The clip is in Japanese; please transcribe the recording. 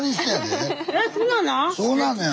そうなのよ。